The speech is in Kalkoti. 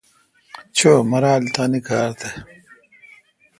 چو مرال تان کار تھ۔